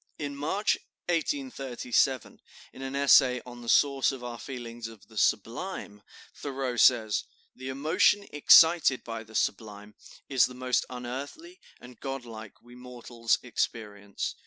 In March, 1837, in an essay on the source of our feeling of the sublime, Thoreau says: "The emotion excited by the sublime is the most unearthly and god like we mortals experience.